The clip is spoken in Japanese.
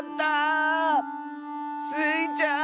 スイちゃん！